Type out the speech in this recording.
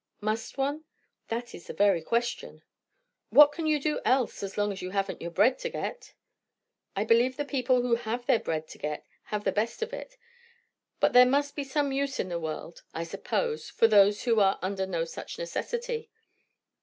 "Must one? That is the very question." "What can you do else, as long as you haven't your bread to get?" "I believe the people who have their bread to get have the best of it. But there must be some use in the world, I suppose, for those who are under no such necessity.